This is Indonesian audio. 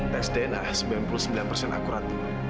tes dna sembilan puluh sembilan persen akurat